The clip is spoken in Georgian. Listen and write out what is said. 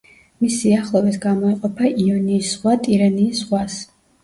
მის სიახლოვეს გამოეყოფა იონიის ზღვა ტირენიის ზღვას.